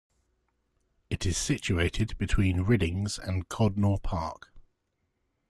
It is situated between Riddings and Codnor Park.